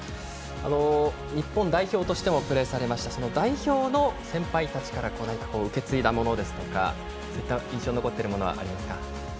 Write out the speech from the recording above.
日本代表としてもプレーされましたが代表の先輩たちから何か受け継いだものですとかそういった印象に残っているものありますか？